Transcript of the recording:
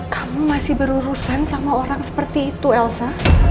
kamu masih berurusan sama orang seperti itu elsa